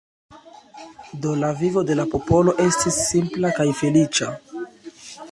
Do la vivo de la popolo estis simpla kaj feliĉa.